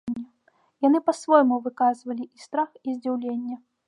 Яны па-свойму выказвалі і страх, і здзіўленне.